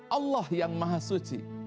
allah yang maha suci